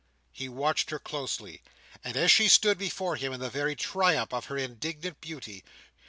He watched her closely, as she stood before him in the very triumph of her indignant beauty.